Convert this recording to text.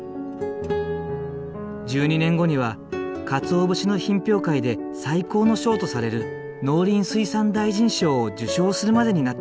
１２年後には鰹節の品評会で最高の賞とされる農林水産大臣賞を受賞するまでになった。